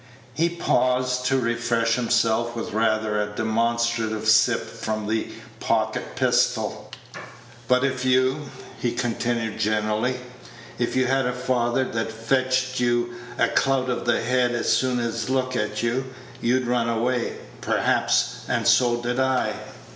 He paused to refresh himself with rather a demonstrative sip from the pocket pistol. "But if you," he continued generally, "if you had a father that'd fetch you a clout of the head as soon as look at you, you'd run away, perhaps, and so did I.